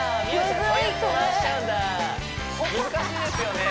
い難しいですよね